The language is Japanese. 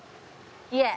いえ。